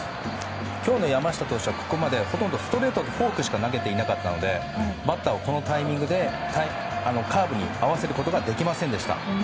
今日の山下投手はここまでほとんどストレートとフォークしか投げていなかったのでバッターは、このタイミングでカーブに合わせることができませんでした。